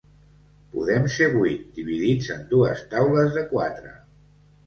Podem ser vuit, dividits en dues taules de quatre.